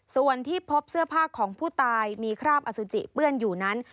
ส่วนที่พบเสื้อผ้าของผู้ตายมีคราบอสุจิเปื้อนอยู่นั้น